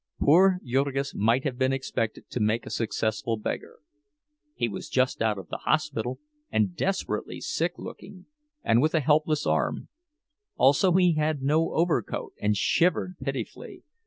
Poor Jurgis might have been expected to make a successful beggar. He was just out of the hospital, and desperately sick looking, and with a helpless arm; also he had no overcoat, and shivered pitifully.